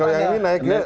kalau yang ini naiknya